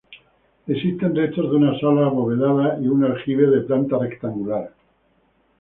Existen restos de una sala abovedada y un aljibe de planta rectangular.